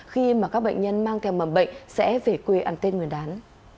khi mà các bệnh nhân mang theo mầm bệnh sẽ về quê ăn tên người đán